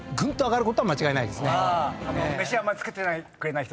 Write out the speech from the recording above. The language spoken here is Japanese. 飯あんまり作ってくれない人。